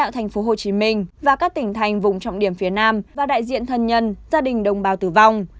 tp hcm và các tỉnh thành vùng trọng điểm phía nam và đại diện thân nhân gia đình đồng bào tử vong